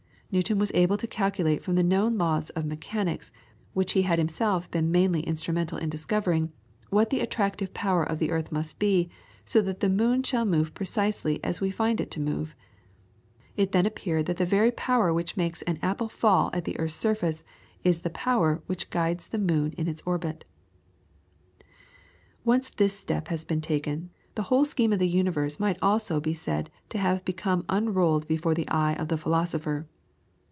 Newton was able to calculate from the known laws of mechanics, which he had himself been mainly instrumental in discovering, what the attractive power of the earth must be, so that the moon shall move precisely as we find it to move. It then appeared that the very power which makes an apple fall at the earth's surface is the power which guides the moon in its orbit. [PLATE: SIR ISAAC NEWTON'S TELESCOPE.] Once this step had been taken, the whole scheme of the universe might almost be said to have become unrolled before the eye of the philosopher.